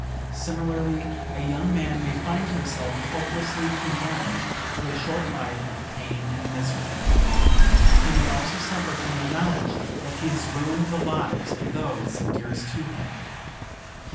Similarly, a young man may find himself hopelessly condemned to a short life of pain and misery. He may also suffer from the knowledge that he has ruined the lives of those dearest to him.